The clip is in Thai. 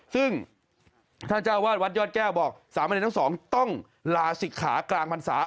ซึ่งท่านเจ้าวาดวัดยอดแก้วบอกสามเณรทั้งสองต้องลาศิกขากลางพรรษา